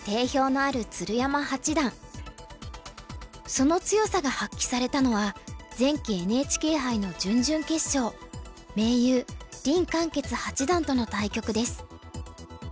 その強さが発揮されたのは前期ＮＨＫ杯の準々決勝盟友林漢傑八段との対局です。